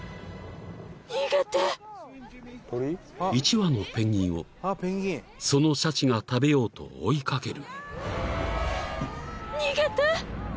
［１羽のペンギンをそのシャチが食べようと追いかける］